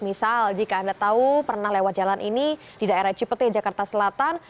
misal jika anda tahu pernah lewat jalan ini di daerah cipete jakarta selatan